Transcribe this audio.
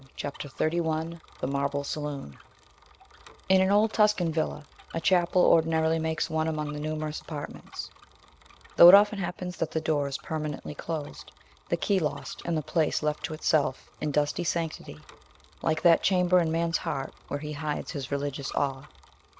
CHAPTER XXXI THE MARBLE SALOON In an old Tuscan villa, a chapel ordinarily makes one among the numerous apartments; though it often happens that the door is permanently closed, the key lost, and the place left to itself, in dusty sanctity, like that chamber in man's heart where he hides his religious awe.